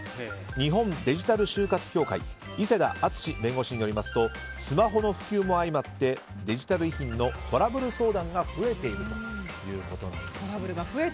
日本デジタル終活協会の伊勢田篤史弁護士によりますとスマホの普及もあってデジタル遺品のトラブルが増えているということなんです。